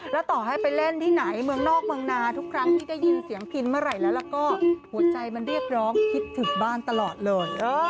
แล้วต่อให้ไปเล่นที่ไหนเมืองนอกเมืองนาทุกครั้งที่ได้ยินเสียงพินเมื่อไหร่แล้วก็หัวใจมันเรียกร้องคิดถึงบ้านตลอดเลย